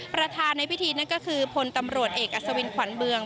ประธานในพิธีนั่นก็คือพลตำรวจเอกอัศวินขวัญเมือง